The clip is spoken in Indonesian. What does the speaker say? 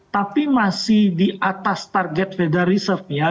tapi masih di atas target fedarisek ya